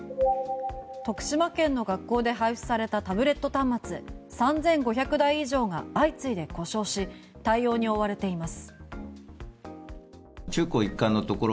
徳島県の学校で配布されたタブレット端末３５００台以上が相次いで故障し対応に追われています。